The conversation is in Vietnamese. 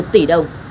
một tỷ đồng